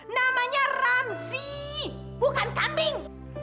namanya ramzi bukan kambing